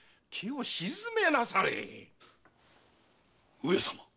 上様。